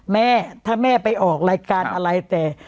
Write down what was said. แม่ถ้าแม่ไปออกรายการอะไรแต่